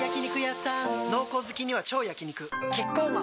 濃厚好きには超焼肉キッコーマン